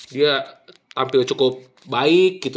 dia tampil cukup baik gitu